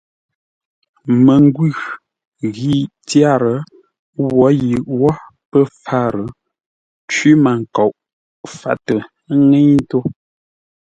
Məngwʉ̂ ghî tyár wǒ yʉʼ wó pə́ pfár, cwímənkoʼ fâtə ńŋə́i ńtó.